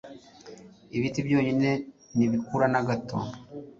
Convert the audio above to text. Ibiti byonyine, nibikura na gato